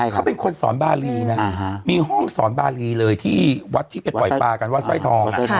เขาเป็นคนสอนบารีนะมีห้องสอนบารีเลยที่วัดที่ไปปล่อยปลากันวัดสร้อยทอง